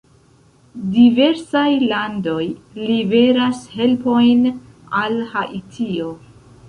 Diversaj landoj liveras helpojn al Haitio.